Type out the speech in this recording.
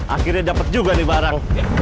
akhirnya dapat juga nih barang